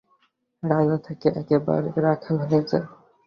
রাজা থেকে একেবারে রাখাল হয়ে যায়।